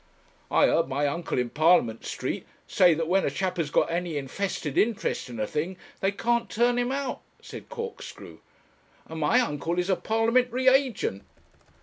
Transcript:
'I heard my uncle, in Parliament Street, say, that when a chap has got any infested interest in a thing, they can't turn him out,' said Corkscrew; 'and my uncle is a parliamentary agent.'